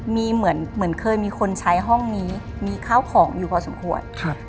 มีเหมือนเคยมีคนใช้ห้องนี้มีข้าวของอยู่พอสมควร